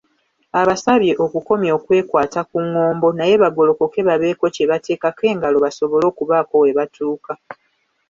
Abasabye okukomya okwekwata ku ng'ombo naye bagolokoke babeeko kye bateekako engalo basobole okubaako webatuuka.